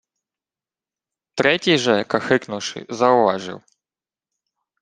Третій же, кахикнувши, завважив: